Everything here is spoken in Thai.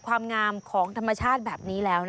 ความงามของธรรมชาติแบบนี้แล้วนะคะ